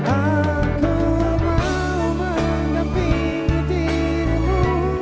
aku mau menampingi dirimu